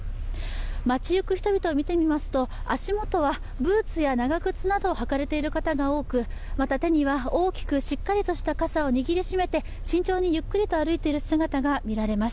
街行く人々を見てみますと、足元はブーツや長靴などを履かれている方が多く、また手には大きくしっかりとした傘を握りしめて慎重にゆっくりと歩いている姿が見られます。